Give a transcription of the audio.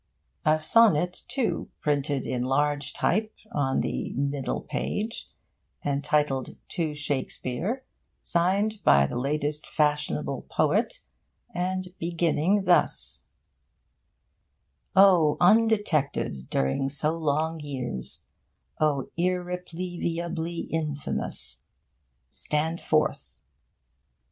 A sonnet, too, printed in large type on the middle page, entitled 'To Shakespeare,' signed by the latest fashionable poet, and beginning thus: O undetected during so long years, O irrepleviably infamous, Stand forth!